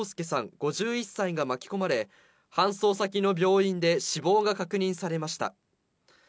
５１歳が巻き込まれ、搬送先の病院で死亡が確認されました。